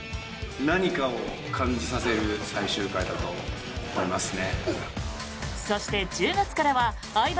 何かを感じさせる最終回だと思いますね。